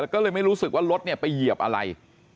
ก็เลยไม่รู้สึกว่ารถไปเหยียบอะไร